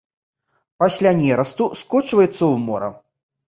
Пасля нерасту скочваецца ў мора.